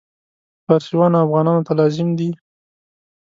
فارسیانو او افغانانو ته لازم دي.